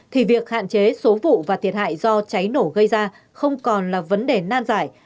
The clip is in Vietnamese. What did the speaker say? thì việc hạn chế số vụ và thiệt hại do cháy nổ gây ra không còn là vấn đề nan giải